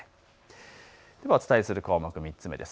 お伝えする項目、３つ目です。